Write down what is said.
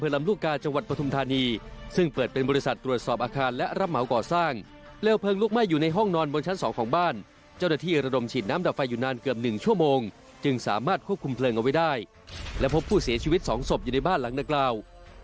สามารถควบคุมเพลิงเอาไว้ได้และพบผู้เสียชีวิตสองศพอยู่ในบ้านหลังดักราว